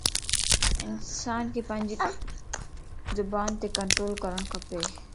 انسان ک پانجي زبان تَ ڪنٽرول ڪرڻ کپ